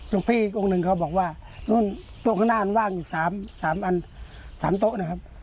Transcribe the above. หลวงพี่อีกองค์หนึ่งเขาบอกว่าตัวข้างหน้าอันว่างอยู่๓ตัวนะครับ